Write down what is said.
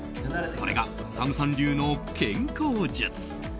それが、ＳＡＭさん流の健康術。